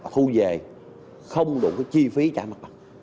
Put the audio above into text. thu về không đủ chi phí trả mặt bằng